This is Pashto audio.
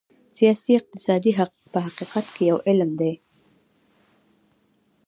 سیاسي اقتصاد په حقیقت کې یو علم دی.